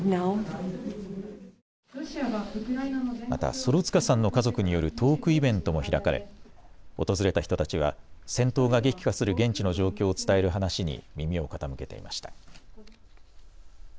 またソロツカさんの家族によるトークイベントも開かれ訪れた人たちは戦闘が激化する現地の状況を伝える話に耳を傾けていました。